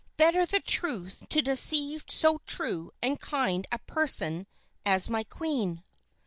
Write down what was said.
Better the truth than to deceive so true and kind a person as my queen."